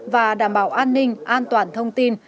và đảm bảo an ninh an toàn thông tin